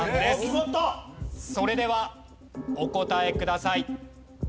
それではお答えください。